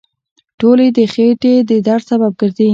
ټولې د خېټې د درد سبب ګرځي.